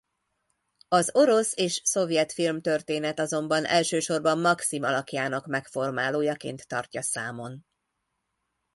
Az orosz és szovjet filmtörténet azonban elsősorban Makszim alakjának megformálójaként tartja számon.